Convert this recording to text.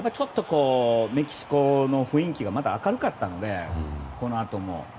メキシコのね雰囲気がまた明るかったのでこのあとも。